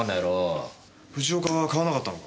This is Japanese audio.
藤岡は買わなかったのか？